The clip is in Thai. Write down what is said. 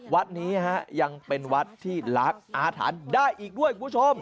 วัดนี้ยังเป็นวัดที่ล้างอาถรรพ์ได้อีกด้วยคุณผู้ชม